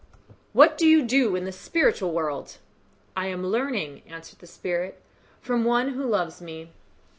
"What do you do in the spiritual world?" "I am learning," answered the spirit, "from one who loves me."